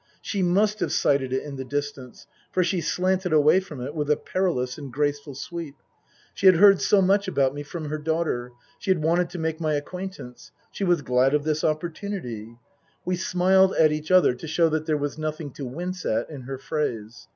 She must have sighted it in the distance, for she slanted away from it with a perilous and graceful sweep. She had heard so much about me from her daughter. She had wanted to make my acquaintance. She was glad of this opportunity (We smiled at each other to show that there was nothing to wince at in her phrase.)